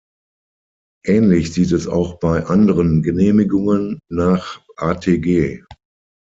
Ähnlich sieht es auch bei anderen Genehmigungen nach AtG.